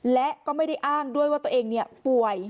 และก็ไม่ได้อ้างด้วยว่าตัวเองป่วย